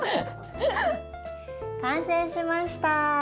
完成しました！